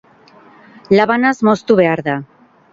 Labanaz moztu behar da.